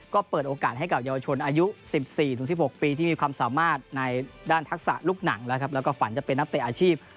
ก็เปิดโอกาสให้กับเยาวชนอายุ๑๔๑๖ปีที่มีความสามารถในด้านทักษะลูกหนังแล้วก็ฝันจะเป็นนักเตะอาชีพ